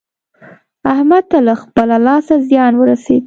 احمد ته له خپله لاسه زيان ورسېد.